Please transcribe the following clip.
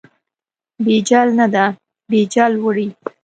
بیجل نه ده، بیجل وړي.